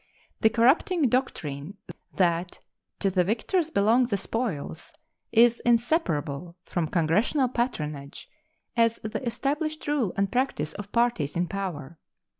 The corrupting doctrine that "to the victors belong the spoils" is inseparable from Congressional patronage as the established rule and practice of parties in power.